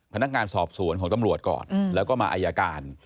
พนักงานสอบสวนของตำรวจก่อนแล้วก็มาอายการ